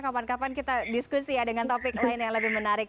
kapan kapan kita diskusi ya dengan topik lain yang lebih menarik